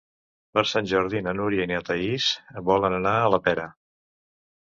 Per Sant Jordi na Núria i na Thaís volen anar a la Pera.